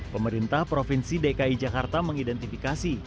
pemerintah provinsi dki jakarta mengidentifikasi